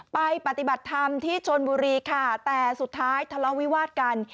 ปฏิบัติธรรมที่ชนบุรีค่ะแต่สุดท้ายทะเลาะวิวาสกัน